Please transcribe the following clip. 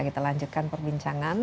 kita lanjutkan perbincangan